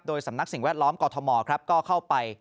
สำนักสิ่งแวดล้อมกอทมครับก็เข้าไป